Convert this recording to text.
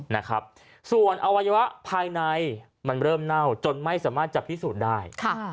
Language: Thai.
นะครับส่วนอวัยวะภายในมันเริ่มเน่าจนไม่สามารถจะพิสูจน์ได้ค่ะ